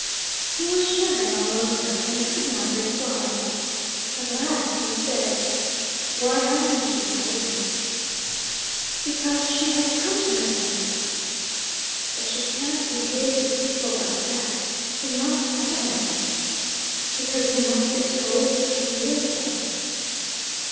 He was shivering all over, and could not reply. At last he said, "Why hasn't she told him?" "Because she has come to her senses." "But she can't behave to people like that. She must tell him." "Because he must be told such a real thing."